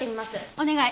お願い。